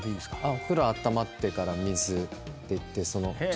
お風呂あったまってから水っていって。